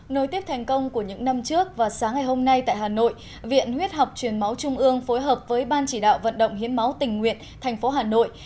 nối tiếp thành công của những năm trước và sáng ngày hôm nay tại hà nội viện huyết học truyền máu trung ương phối hợp với ban chỉ đạo vận động hiến máu tình nguyện thành phố hà nội